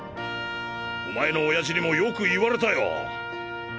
お前の親父にもよく言われたよ。